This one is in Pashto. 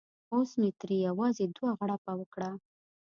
اوس مې ترې یوازې دوه غړپه وکړه.